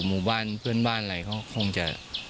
หมู่บ้านเพื่อนบ้านอะไรเขาคงจะ